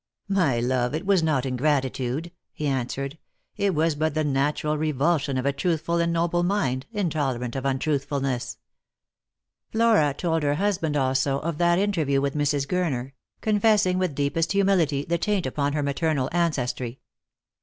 " My love, it was not ingratitude," he answered ;" it was but the natural revulsion of a truthful and noble mind, intolerant of untruthfulness." Flora told her husband also of that interview with Mrs. Gurner ; confessing with deepest humility the taint upon her maternal ancestry.